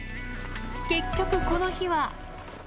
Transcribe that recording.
結局この日は。